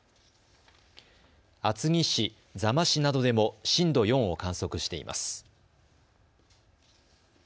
厚木市、座間市などでも震度４を観測しています。